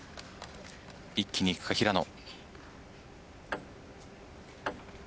一気にいくか平野。